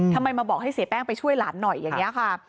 ทำไมมาบอกให้เสียแป้งไปช่วยหลานหน่อยอย่างนี้ค่ะ